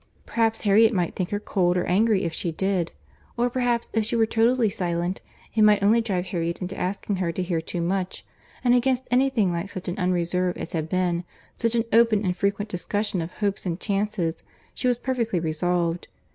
—Perhaps Harriet might think her cold or angry if she did; or perhaps if she were totally silent, it might only drive Harriet into asking her to hear too much; and against any thing like such an unreserve as had been, such an open and frequent discussion of hopes and chances, she was perfectly resolved.